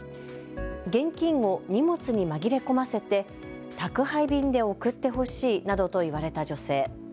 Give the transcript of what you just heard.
現金を荷物に紛れ込ませて宅配便で送ってほしいなどと言われた女性。